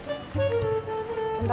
seja lu kemana teh